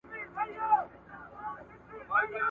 ورته رایې وړلي غوښي د ښکارونو ,